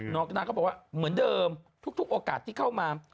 นาก็บอกว่าเหมือนเดิมทุกโอกาสที่เข้ามา